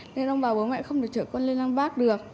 nên ông bà bố mẹ không thể chở con lên lăng bác được